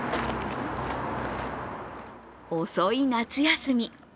遅い夏休み。